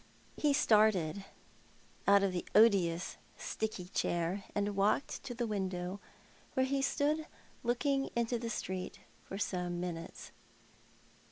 He started out of the odious, sticky chair, and walked to the window, where he stood looking into the street for some minutes.